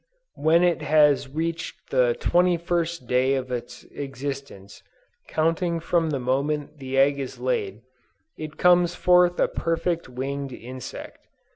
"When it has reached the twenty first day of its existence, counting from the moment the egg is laid, it comes forth a perfect winged insect.